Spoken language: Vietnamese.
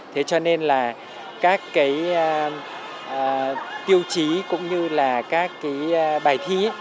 thế cho nên là các tiêu chí cũng như là các bài thi